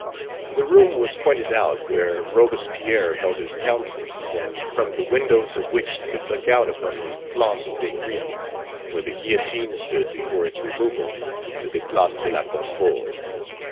The room was pointed out where Robespierre held his counsels, and from the windows of which he could look out upon the Place de Greve, where the guillotine stood before its removal to the Place de la Concorde.